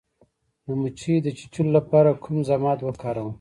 د مچۍ د چیچلو لپاره کوم ضماد وکاروم؟